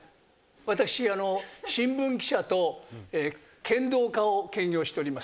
私新聞記者と剣道家を兼業しております。